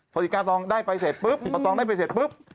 นาฬิกาตองได้ไปเสร็จปุ๊บพอตองได้ไปเสร็จปุ๊บ